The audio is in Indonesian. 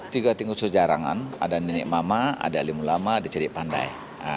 tiga tingkat sejarangan ada nenek mama ada alim ulama di ciri pandai